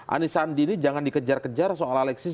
anisandi ini jangan dikejar kejar soal alexis